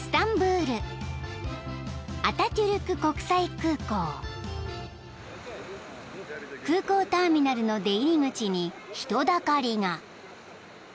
［空港ターミナルの出入り口に人だかりが］